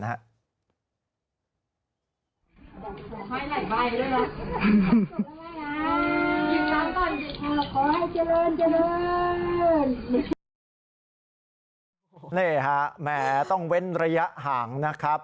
นี่ฮะแหมต้องเว้นระยะห่างนะครับ